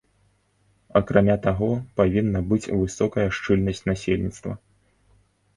Акрамя таго, павінна быць высокая шчыльнасць насельніцтва.